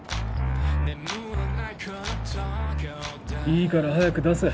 いいから早く出せ。